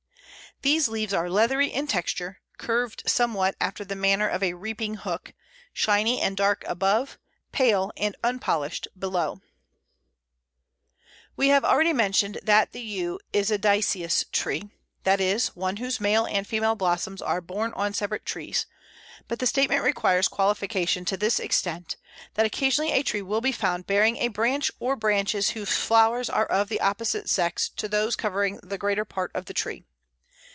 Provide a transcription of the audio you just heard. These leaves are leathery in texture, curved somewhat after the manner of a reaping hook, shiny and dark above, pale and unpolished below. [Illustration: Yew. A, male flowers.] We have already mentioned that the Yew is a di[oe]cious tree that is, one whose male and female blossoms are borne on separate trees but the statement requires qualification to this extent, that occasionally a tree will be found bearing a branch or branches whose flowers are of the sex opposite to those covering the greater part of the tree.